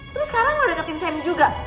terus sekarang lo deketin sam juga